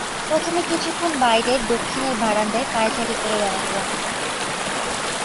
প্রথমে কিছুক্ষণ বাইরের দক্ষিণের বারান্দায় পায়চারি করে বেড়াতে লাগল।